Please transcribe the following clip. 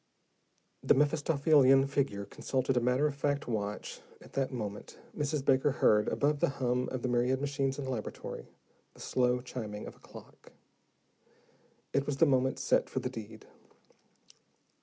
The Mephistophelian figure consulted a matter of fact watch; at that moment, Mrs. Baker heard, above the hum of the myriad machines in the laboratory, the slow chiming of a clock. It was the moment set for the deed.